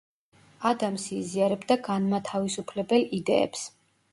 ადამსი იზიარებდა განმათავისუფლებელ იდეებს.